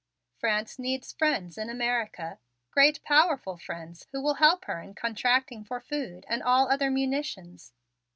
"France needs friends in America, great powerful friends who will help her in contracting for food and all other munitions.